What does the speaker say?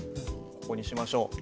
ここにしましょう。